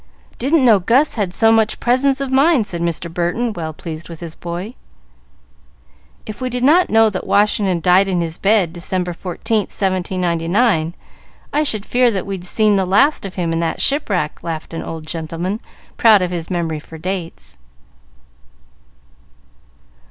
Didn't know Gus had so much presence of mind," said Mr. Burton, well pleased with his boy. "If we did not know that Washington died in his bed, December 14, 1799, I should fear that we'd seen the last of him in that shipwreck," laughed an old gentleman, proud of his memory for dates.